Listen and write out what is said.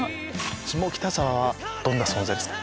下北沢はどんな存在ですか？